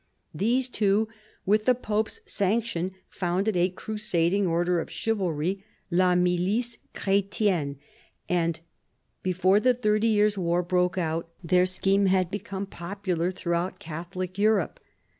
These two, with the Pope's sanction, founded a crusading order of chivalry, " La Milice Chr^tienne," and before the Thirty Years War broke out their scheme had become popular throughout Catholic Europe.